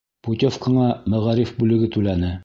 Путевкаңа мәғариф бүлеге түләне.